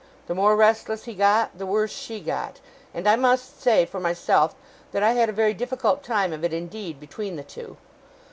The more restless he got, the worse she got; and I must say, for myself, that I had a very difficult time of it indeed between the two.